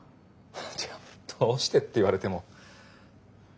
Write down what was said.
てかどうしてって言われても。